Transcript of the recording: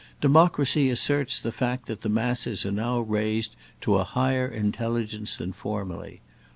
Democracy asserts the fact that the masses are now raised to a higher intelligence than formerly.